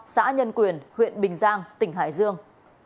xã nhân quyền huyện bình giang tỉnh hải dương